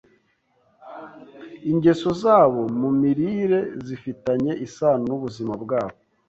ingeso zabo mu mirire zifitanye isano n’ubuzima bwabo